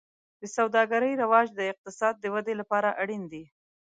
د سوداګرۍ رواج د اقتصاد د ودې لپاره اړین دی.